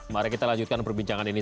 mari kita lanjutkan perbincangan ini